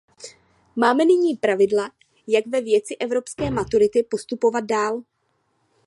Máme nyní pravidla, jak ve věci evropské maturity postupovat dál.